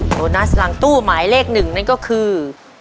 โบนัสหลังตู้หมายเลขหนึ่งนั่นก็คือ